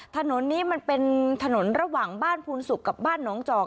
ถนนนี้มันเป็นถนนระหว่างบ้านภูนสุกกับบ้านน้องจอก